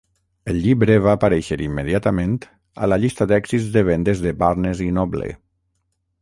El llibre va aparèixer immediatament a la llista d"èxits de vendes de Barnes i Noble.